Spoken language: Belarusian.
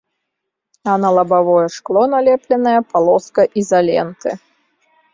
А на лабавое шкло налепленая палоска ізаленты.